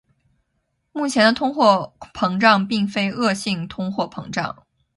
目前的通货膨胀并非恶性通货膨胀。